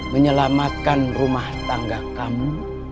menyelamatkan rumah tangga kamu